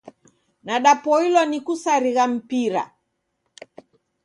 Nadapoilwa ni kusarigha mpira.